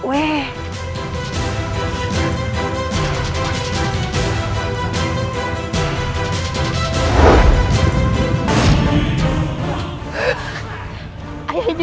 tidak tidak tidak